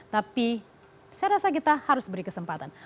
tapi saya rasa kita harus beri kesempatan